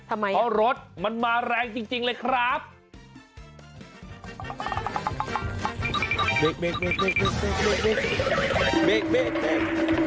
เพราะรถมันมาแรงจริงเลยครับ